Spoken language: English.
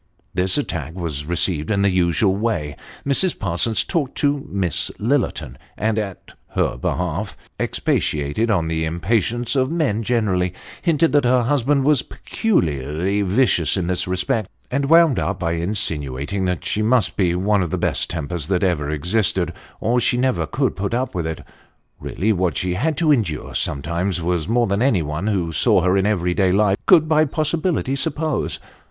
This attack was received in the usual way. Mrs. Parsons talked to Miss Lillerton and at her better half; expatiated on the impatience of Clearing the Way. 349 men generally ; hinted that her hushand was peculiarly vicious in this respect, and wound up by insinuating that she must be one of the best tempers that ever existed, or she never could put up with it. Eeally what she had to endure sometimes, was more than anyone who saw her in everyday life could by possibility suppose.